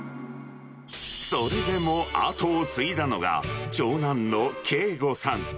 それでも後を継いだのが、長男のけいごさん。